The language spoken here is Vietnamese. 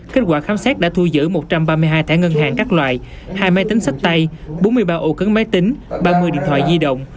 kết quả khám xét đã thu giữ một trăm ba mươi hai thẻ ngân hàng các loại hai máy tính sách tay bốn mươi ba ổ cứng máy tính ba mươi điện thoại di động